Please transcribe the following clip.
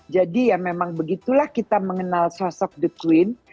jadi ya memang begitulah kita mengenal sosok the queen